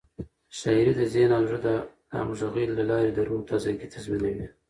شاعري د ذهن او زړه د همغږۍ له لارې د روح تازه ګي تضمینوي.